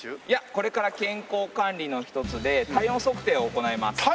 いやこれから健康管理の一つで体温測定を行います。